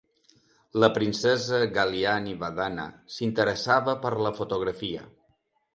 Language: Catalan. La princesa Galyani Vadhana s'interessava per la fotografia.